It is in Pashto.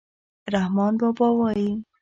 رحمان بابا وايي.